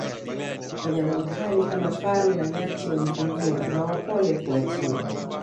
wanyama wakali kama faru na nyati walifungiwa na wapole kuachiwa